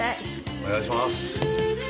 お願いします。